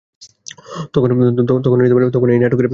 তখন এই নাটকের আখ্যান আরম্ভ।